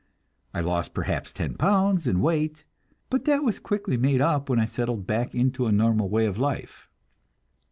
I lost perhaps ten pounds in weight, but that was quickly made up when I settled back to a normal way of life.